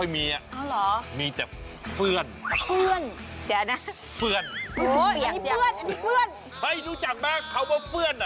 เฮ้ยรู้จักมั้ยเขาว่าเพื่อน